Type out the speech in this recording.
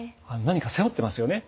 何か背負ってますよね。